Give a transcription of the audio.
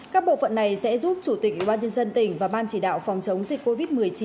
các bộ phận này sẽ giúp chủ tịch ubnd tỉnh và ban chỉ đạo phòng chống dịch covid một mươi chín